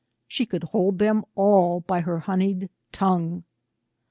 She could hold them all by her honied tongue.